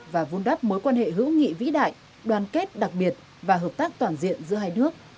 và vun đắp mối quan hệ hữu nghị vĩ đại đoàn kết đặc biệt và hợp tác toàn diện giữa hai nước